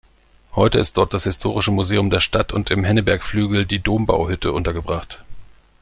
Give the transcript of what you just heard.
Heute ist dort das Historische Museum der Stadt und im Henneberg-Flügel die Dombauhütte untergebracht.